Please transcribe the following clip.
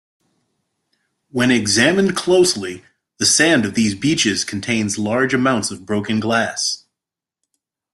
When examined closely the sand of these beaches contains large amounts of broken glass.